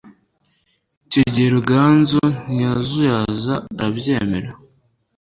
icyo gihe Ruganzu ntiyazuyaza arabyemera.